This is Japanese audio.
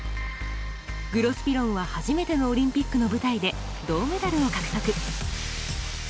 グロスピロンは初めてのオリンピックの舞台で銅メダルを獲得。